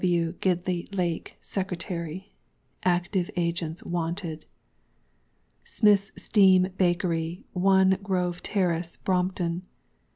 G. W. GIDLEY LAKE, SECRETARY. ACTIVE AGENTS WANTED. SMITHŌĆÖS STEAM BAKERY, 1, GROVE TERRACE, BROMPTON.